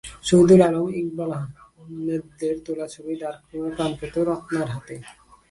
শহিদুল আলম, ইকবাল আহমেদদের তোলা ছবি ডার্করুমে প্রাণ পেত রত্নার হাতে।